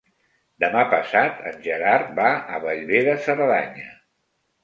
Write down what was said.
Demà passat en Gerard va a Bellver de Cerdanya.